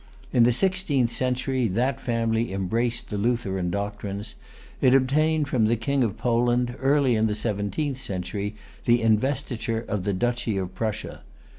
In the sixteenth century that family embraced the Lutheran doctrines. It obtained from the King of[Pg 244] Poland, early in the seventeenth century, the investiture of the Duchy of Prussia.